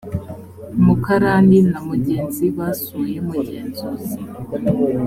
mukarani na mugenzi basuye mugenzuzi